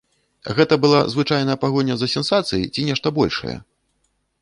Гэта была звычайная пагоня за сенсацыяй ці нешта большае?